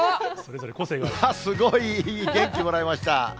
すごいいい、元気もらいました。